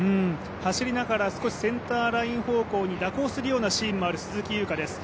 走りながら少しセンターライン方向に蛇行するようなシーンもある鈴木優花です。